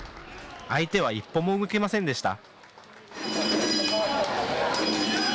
相手は一歩も動けませんでした。